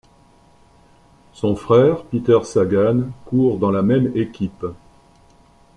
Son frère Peter Sagan court dans la même équipe.